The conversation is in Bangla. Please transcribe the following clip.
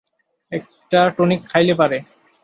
একটা টনিক খাইলে পারে।